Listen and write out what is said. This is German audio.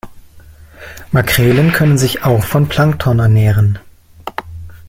Makrelen können sich auch von Plankton ernähren.